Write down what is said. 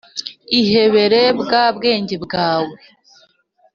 ihebere bwa bwenge bwawe